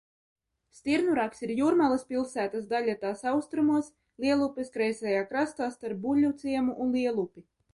Stirnurags ir Jūrmalas pilsētas daļa tās austrumos, Lielupes kreisajā krastā starp Buļļuciemu un Lielupi.